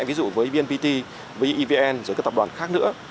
ví dụ với bnpt với evn với các tập đoàn khác nữa